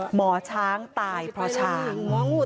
หมอช้างตายเพราะช้าง